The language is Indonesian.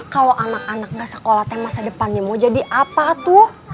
kalau anak anak gak sekolah masa depannya mau jadi apa tuh